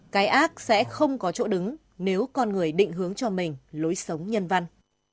cái ác sẽ không có chỗ đứng nếu con người định hướng cho mình lối sống nhân văn